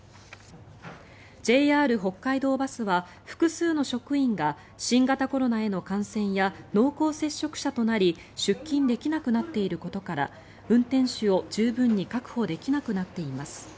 ジェイ・アール北海道バスは複数の職員が新型コロナへの感染や濃厚接触者となり出勤できなくなっていることから運転手を十分に確保できなくなっています。